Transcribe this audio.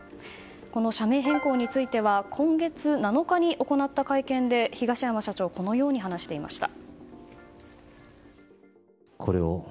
この社名変更については今月７日に行った会見で東山社長はこのように話していました。